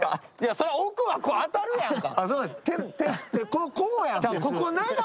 そりゃ奥は当たるやんか。